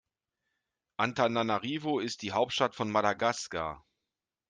Antananarivo ist die Hauptstadt von Madagaskar.